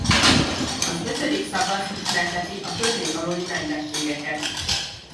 Az ötödik szakasz ismerteti a törvény alóli mentességeket.